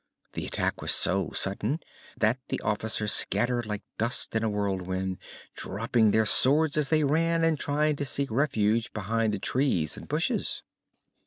The attack was so sudden that the officers scattered like dust in a whirlwind, dropping their swords as they ran and trying to seek refuge behind the trees and bushes.